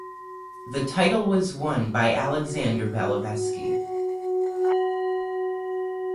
The title was won by Alexander Beliavsky.